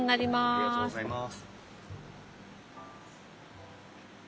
ありがとうございます。